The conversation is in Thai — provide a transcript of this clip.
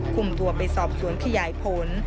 คุมตัวไปสอบสวนขยายผล